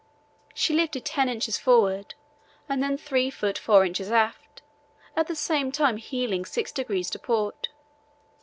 She lifted ten inches forward and three feet four inches aft, at the same time heeling six degrees to port.